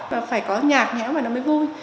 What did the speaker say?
và phải có nhạc nhẽo mà nó mới vui